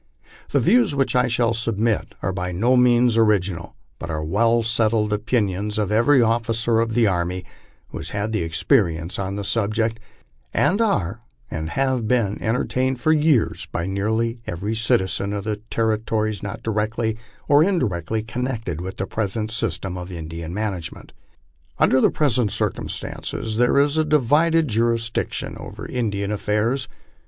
The views which I shall submit are by no means original, but are well settled opinions of every officer of the army who has had experience on the subject, and are and have been entertained for yeara by nearly every citizen of the territories not directly or indirectly connected with the present sys tem of Indian management. Under present circumstances there is a divided jurisdiction over Indian affairs.